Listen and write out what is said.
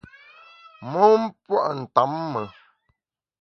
Mon pua’ ntamme.